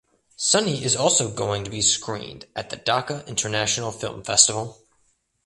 Sunny is also going to be screened at the Dhaka International Film Festival.